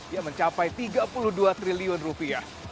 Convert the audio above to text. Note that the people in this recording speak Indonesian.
yang mencapai tiga puluh dua triliun rupiah